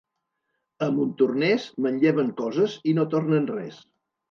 A Montornès manlleven coses i no tornen res.